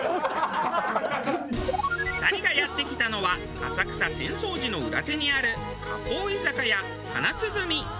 ２人がやって来たのは浅草浅草寺の裏手にある割烹居酒屋花鼓。